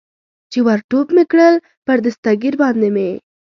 چې ور ټوپ مې کړل، پر دستګیر باندې مې.